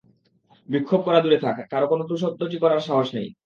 বিক্ষোভ করা দূরে থাক, কারও কোনো টুঁ শব্দটি করার সাহস নেই।